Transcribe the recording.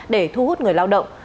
để thu hút người lao động